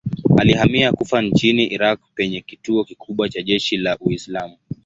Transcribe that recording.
Alihamia Kufa nchini Irak penye kituo kikubwa cha jeshi la Uislamu.